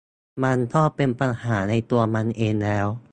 มันก็เป็นปัญหาในตัวมันเองแล้ว